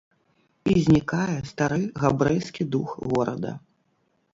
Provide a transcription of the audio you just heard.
І знікае стары габрэйскі дух горада.